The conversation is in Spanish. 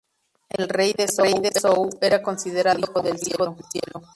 El rey de Zhou era considerado como el hijo del cielo.